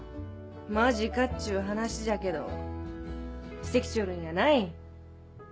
マジかっちゅう話じゃけどして来ちょるんやないん。